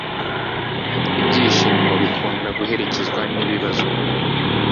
Ibyishimo bikunda guherekezwa nibibazo